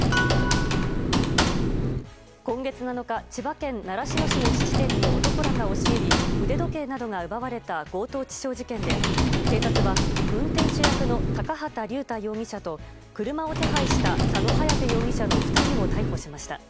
今月７日千葉県習志野市の質店に男らが押し入り腕時計などが奪われた強盗致傷事件で警察は、運転手役の高畑竜太容疑者と車を手配した佐野颯容疑者の２人を逮捕しました。